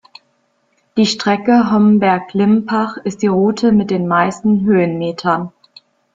Die Strecke Homberg–Limpach ist die Route mit den meisten Höhenmetern.